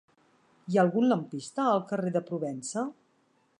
Hi ha algun lampista al carrer de Provença?